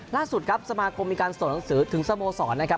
ล่าสุดครับสมาคมมีการส่งหนังสือถึงสโมสรนะครับ